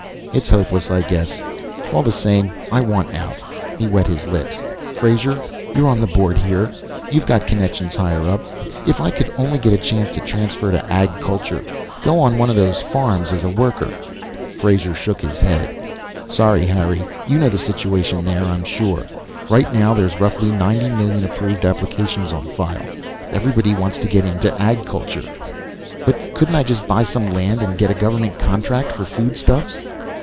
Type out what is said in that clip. "It's hopeless, I guess. All the same, I want out." He wet his lips. "Frazer, you're on the Board here. You've got connections higher up. If I could only get a chance to transfer to Ag Culture, go on one of those farms as a worker " Frazer shook his head. "Sorry, Harry. You know the situation there, I'm sure. Right now there's roughly ninety million approved applications on file. Everybody wants to get into Ag Culture." "But couldn't I just buy some land, get a government contract for foodstuffs?"